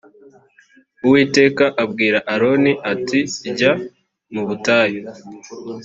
uwiteka abwira aroni ati jya mu butayu.